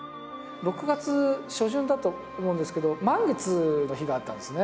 ６月初旬だと思うんですけど満月の日があったんですね